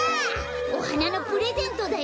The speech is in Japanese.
おはなのプレゼントだよ。